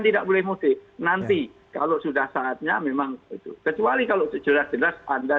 tidak boleh mudik nanti kalau sudah saatnya memang itu kecuali kalau sejelas jelas anda